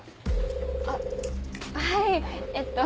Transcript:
あはいえっと。